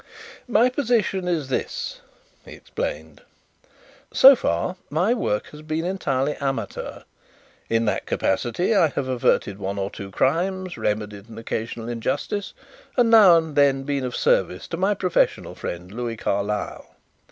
"My position is this," he explained. "So far my work has been entirely amateur. In that capacity I have averted one or two crimes, remedied an occasional injustice, and now and then been of service to my professional friend, Louis Carlyle.